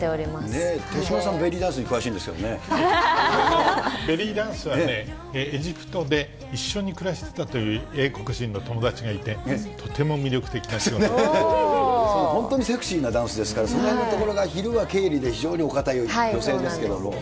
手嶋さんもベリーダンスに詳ベリーダンスはね、エジプトで一緒に暮らしてたという英国人の友達がいて、本当にセクシーなダンスですから、そのへんのところが、昼は経理で非常にお堅い女性ですけど。